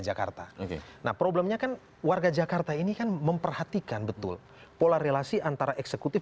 jakarta nah problemnya kan warga jakarta ini kan memperhatikan betul pola relasi antara eksekutif